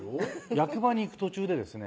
役場に行く途中でですね